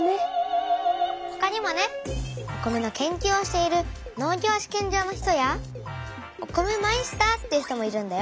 他にもねお米の研究をしている農業試験場の人やお米マイスターっていう人もいるんだよ。